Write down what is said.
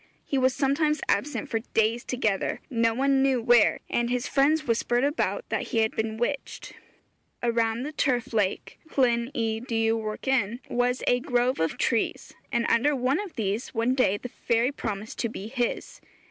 He was sometimes absent for days together, no one knew where, and his friends whispered about that he had been witched. Around the Turf Lake (Llyn y Dywarchen) was a grove of trees, and under one of these one day the fairy promised to be his.